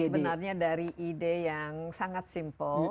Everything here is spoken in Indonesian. jadi sebenarnya dari ide yang sangat simple